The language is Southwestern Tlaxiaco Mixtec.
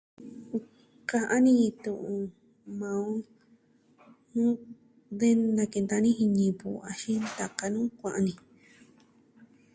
Ka'an ni tu'un maa on... de nakenta'an ni jin ñivɨ axin ntaka nuu kua'an ni.